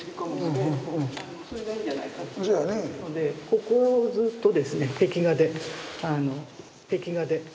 ここをずっとですね壁画で壁画で。